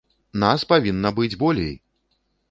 Нас павінна быць болей!